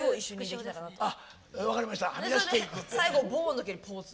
最後「ボーン」の時にポーズ。